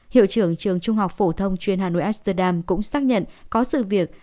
hiệu trưởng trường trung học phổ thông chuyên hà nội eserdam cũng xác nhận có sự việc